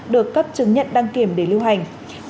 được cấp chứng nhận đăng kiểm để lưu hành